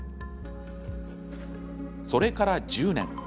それから１０年。